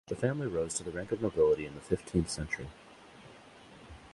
The family rose to the rank of nobility in the fifteenth century.